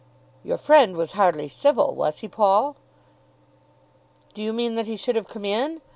"Your friend was hardly civil; was he, Paul?" "Do you mean that he should have come in?